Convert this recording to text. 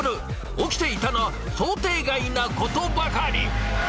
起きていたのは想定外なことばかり。